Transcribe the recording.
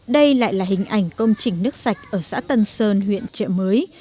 đây lại là hình ảnh công trình nước sạch ở xã tân sơn huyện trợ mới